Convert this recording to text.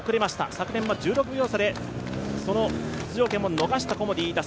昨年、１６秒差でその出場権を逃したコモディイイダ。